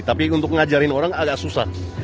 tapi untuk ngajarin orang agak susah